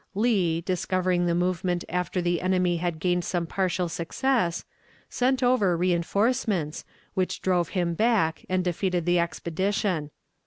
Lee, discovering the movement after the enemy had gained some partial success, sent over reënforcements, which drove him back and defeated the expedition.